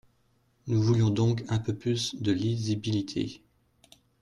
Nous voulions donc un peu plus de lisibilité.